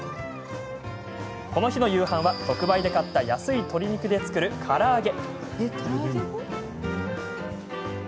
この日の夕飯は特売で買った安い鶏肉で作る、から揚げ。